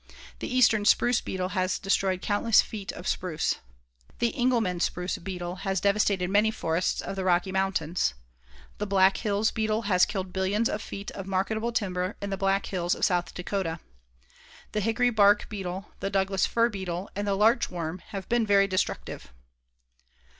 The eastern spruce beetle has destroyed countless feet of spruce. The Engelmann spruce beetle has devastated many forests of the Rocky Mountains. The Black Hills beetle has killed billions of feet of marketable timber in the Black Hills of South Dakota. The hickory bark beetle, the Douglas fir beetle and the larch worm have been very destructive.